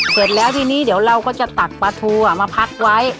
เสร็จแล้วทีนี้เดี๋ยวเราก็จะตักปลาทูมาพักไว้